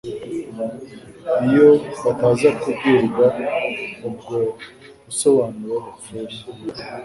iyo bataza kubwirwa ubwo busobanuro bupfuye,